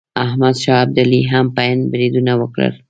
احمد شاه ابدالي هم په هند بریدونه وکړل.